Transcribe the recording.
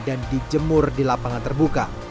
dan dijemur di lapangan terbuka